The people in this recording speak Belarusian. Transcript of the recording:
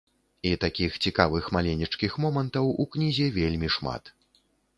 І такіх цікавых маленечкіх момантаў у кнізе вельмі шмат.